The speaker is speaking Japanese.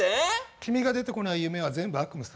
君が出てこない夢は全部悪夢さ。